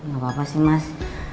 gak apa apa sih mas